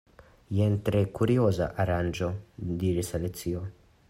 "Jen tre kurioza aranĝo," diris Alicio.